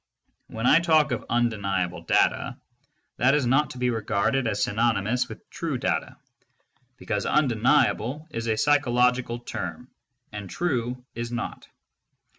When I talk of "undeniable data" that is not to be regarded as synon ymous with "true data," because "undeniable" is a psycho logical term and "true" is not.